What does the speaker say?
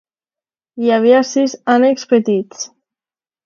Hi havia sis ànecs petits.